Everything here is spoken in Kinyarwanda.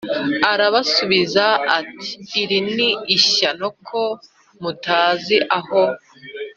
Arabasubiza ati Iri ni ishyano ko mutazi aho